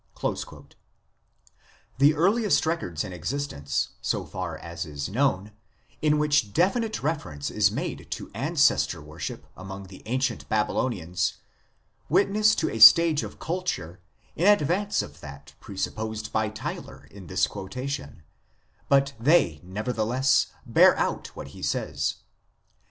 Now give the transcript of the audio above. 1 The earliest records in existence, so far as is known, in which definite reference is made to Ancestor worship among the ancient Babylonians, witness to a stage of culture in advance of that presupposed by Tylor in this quotation ; but they, nevertheless, bear out what he says.